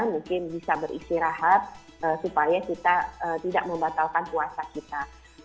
mungkin bisa beristirahat supaya kita tidak membatalkan puasa kita